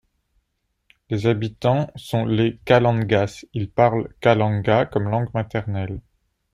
Les habitants sont les Kalangas, ils parlent kalanga comme langue maternelle.